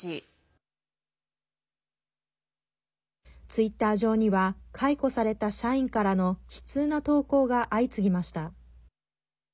ツイッター上には解雇された社員からの悲痛な投稿が相次ぎました。